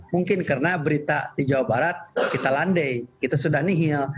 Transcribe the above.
mungkin karena berita di jawa barat kita landai kita sudah nihil